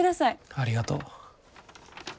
ありがとう。